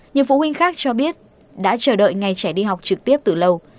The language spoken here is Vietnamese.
nhiều phụ huynh khác cho biết đã chờ đợi ngày trẻ đi học trực tiếp từ lâu